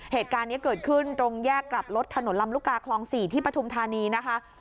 เหตุการณ์นี้เกิดขึ้นตรงแยกกลับรถถนนลำลูกกาคลอง๔ที่ปฐุมธานีนะคะ